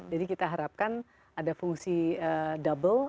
jadi kita harapkan ada fungsi double